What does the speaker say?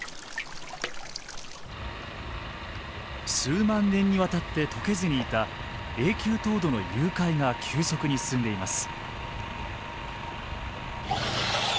数万年にわたってとけずにいた永久凍土の融解が急速に進んでいます。